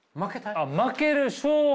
負ける勝敗。